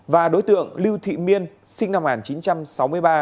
và đối tượng lưu thị miên sinh năm một nghìn chín trăm sáu mươi ba